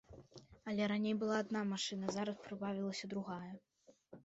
Але раней была адна машына, зараз прыбавілася другая.